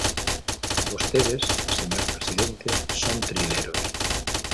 Vostedes, señor presidente, son trileros.